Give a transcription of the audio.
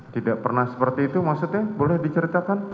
tidak pernah seperti itu maksudnya boleh diceritakan